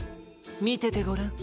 みててごらん。